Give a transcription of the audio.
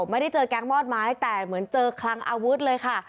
ไม่ได้เจอแก๊งมอดไม้แต่เหมือนเจอคลังอาวุธเลยค่ะ